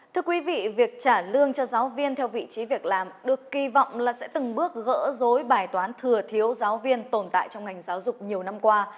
thưa quý vị việc trả lương cho giáo viên theo vị trí việc làm được kỳ vọng là sẽ từng bước gỡ rối bài toán thừa thiếu giáo viên tồn tại trong ngành giáo dục nhiều năm qua